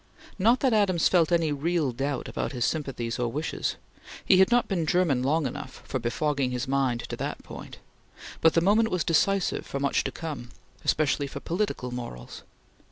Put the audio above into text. Not that Adams felt any real doubt about his sympathies or wishes. He had not been German long enough for befogging his mind to that point, but the moment was decisive for much to come, especially for political morals.